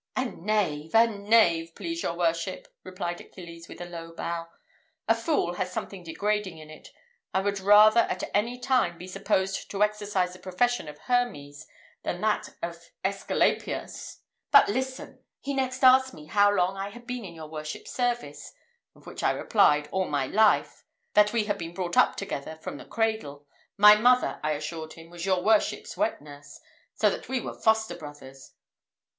"A knave, a knave! please your worship," replied Achilles, with a low bow. "A fool has something degrading in it. I would rather at any time be supposed to exercise the profession of Hermes than that of Æsculapius. But listen! He next asked me how long I had been in your worship's service. On which I replied, all my life that we had been brought up together from the cradle. My mother, I assured him, was your worship's wet nurse, so that we were foster brothers."